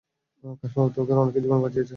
কাশ্মীর উপত্যকায় অনেকের জীবন বাঁচিয়েছে।